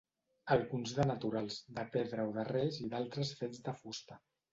Alguns de naturals, de pedra o d'arrels i d'altres fets de fusta.